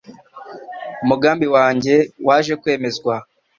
Umugambi wanjye waje kwemezwa